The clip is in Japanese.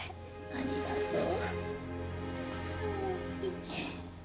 ありがとう。